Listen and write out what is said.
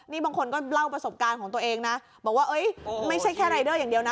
นี่บางคนก็เล่าประสบการณ์ของตัวเองนะบอกว่าไม่ใช่แค่รายเดอร์อย่างเดียวนะ